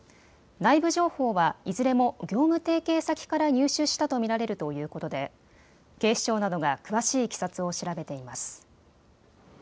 内部情報は、いずれも業務提携先から入手したと見られるということで警視庁などが詳しいいきさつを調べています。